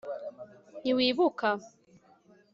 ntiwibuka